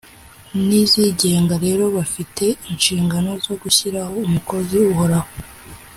n’izigenga rero bafite inshingano zo gushyiraho umukozi uhoraho